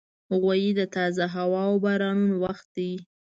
غویی د تازه هوا او بارانونو وخت دی.